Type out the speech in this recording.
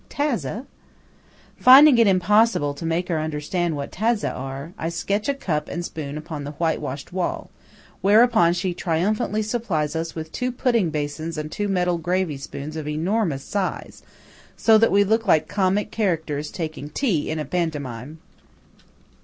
"Tazze?" Finding it impossible to make her understand what tazze are, I sketch a cup and spoon upon the whitewashed wall; whereupon she triumphantly supplies us with two pudding basins and two metal gravy spoons of enormous size, so that we look like comic characters taking tea in a pantomime.